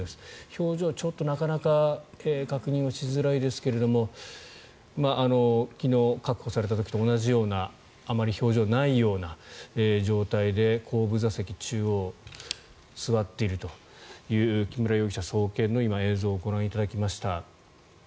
表情はちょっとなかなか確認しづらいですが昨日、確保された時と同じようなあまり表情がないような状態で後部座席、中央座っているという木村容疑者送検の今、映像をご覧いただきました。